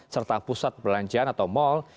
serta pusat perbelanjaan atau mal